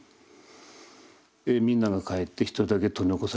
でみんなが帰って一人だけ取り残された。